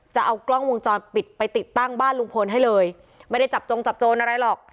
จะเอากล้องวงจรปิดไปติดตั้งบ้านลุงพลให้เลยไม่ได้จับจงจับโจรอะไรหรอก